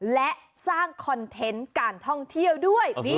และสร้างคอนเทนต์การท่องเที่ยวด้วย